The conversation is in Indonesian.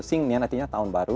sing nian artinya tahun baru